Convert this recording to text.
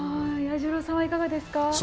彌十郎さんはいかがですか。